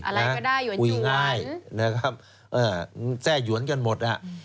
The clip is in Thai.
อะไรก็ได้หยวนจุวรรณคุยง่ายแทรกหยวนกันหมด